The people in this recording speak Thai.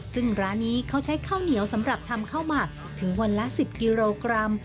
ซึ่งร้านนี้เขาใช้ข้าวเหนียวสำหรับทำข้าวหมักถึงวันละ๑๐กิโลกรัม